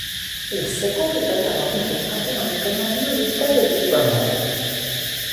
È il secondo italiano a vincere un campionato internazionale d'Italia di Supermoto.